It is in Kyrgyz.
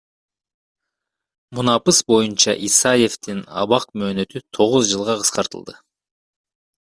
Мунапыс боюнча Исаевдин абак мөөнөтү тогуз жылга кыскартылды.